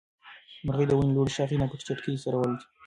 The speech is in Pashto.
مرغۍ د ونې له لوړې ښاخۍ نه په چټکۍ سره والوته.